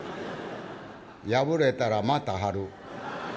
「『破れたらまた貼る』」。